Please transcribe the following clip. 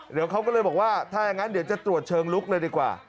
เดี๋ยวเขาก็เลยบอกว่าถ้าอย่างนั้นเดี๋ยวจะตรวจเชิงลุกเลยดีกว่า